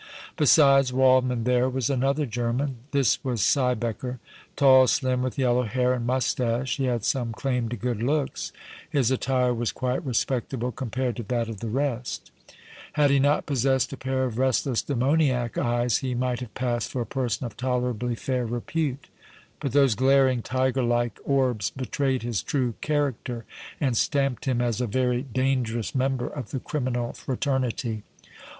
Besides Waldmann there was another German. This was Siebecker. Tall, slim, with yellow hair and moustache, he had some claim to good looks; his attire was quite respectable compared to that of the rest; had he not possessed a pair of restless, demoniac eyes, he might have passed for a person of tolerably fair repute, but those glaring, tiger like orbs betrayed his true character and stamped him as a very dangerous member of the criminal fraternity.